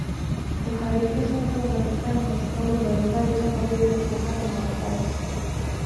Uharibifu huu unatokana na sababu mbalimbali kama vile kutokana na wakati